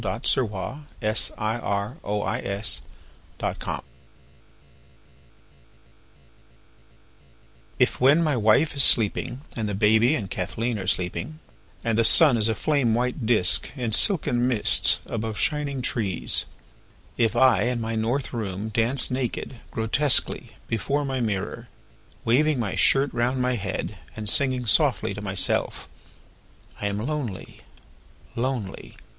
William Carlos Williams Danse Russe IF when my wife is sleeping and the baby and Kathleen are sleeping and the sun is a flame white disc in silken mists above shining trees, if I in my north room dance naked, grotesquely before my mirror waving my shirt round my head and singing softly to myself: "I am lonely, lonely.